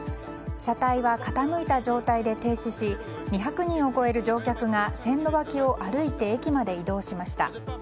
車体は傾いた状態で停止し２００人を超える乗客が線路脇を歩いて駅まで移動しました。